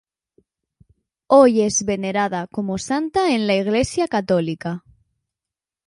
Hoy es venerada como santa en la Iglesia católica.